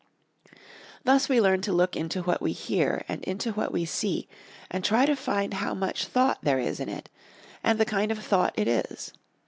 Thus we learn to look into what we hear and into what we see and try to find how much thought there is in it, and the kind of thought it is.